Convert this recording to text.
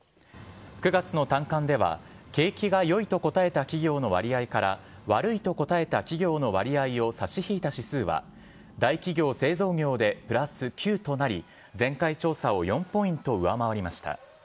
９月の短観では、景気がよいと答えた企業の割合から悪いと答えた企業の割合を差し引いた指数は、大企業・製造業でプラス９となり、前回調査を４ポイント上回りました。